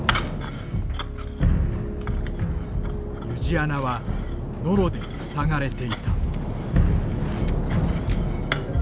湯路穴はノロで塞がれていた。